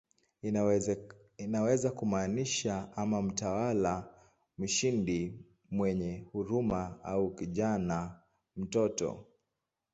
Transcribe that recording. Inaweza kumaanisha ama "mtawala mshindi mwenye huruma" au "kijana, mtoto".